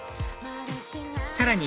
さらに